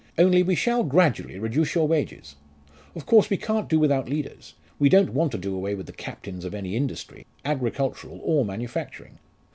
Only we shall gradually reduce your wages. Of course, we can't do without leaders we don't want to do away with the captains of any industry, agricultural or manufacturing.